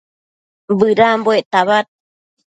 bëdambuec tabad